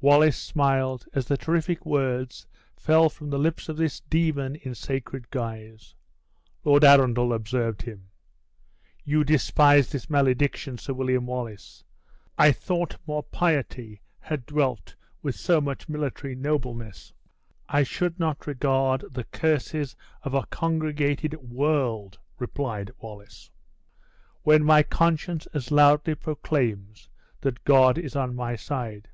Wallace smiled as the terrific words fell from the lips of this demon in sacred guise. Lord Arundel observed him. "You despise this malediction, Sir William Wallace! I thought more piety had dwelt with so much military nobleness!" "I should not regard the curses of a congregated world," replied Wallace, "when my conscience as loudly proclaims that God is on my side.